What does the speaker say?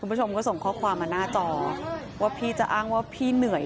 คุณผู้ชมก็ส่งข้อความมาหน้าจอว่าพี่จะอ้างว่าพี่เหนื่อย